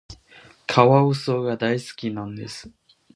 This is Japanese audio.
カワウソが大好きなんです。